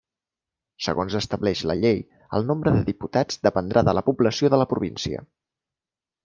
Segons estableix la llei, el nombre de Diputats dependrà de la població de la província.